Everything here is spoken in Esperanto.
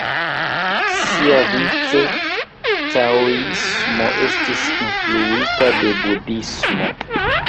Siavice, taoismo estis influita de budhismo.